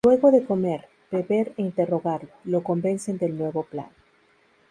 Luego de comer, beber e interrogarlo, lo convencen del nuevo plan.